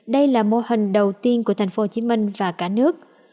đây là mô hình đầu tiên của tp hcm và cả nước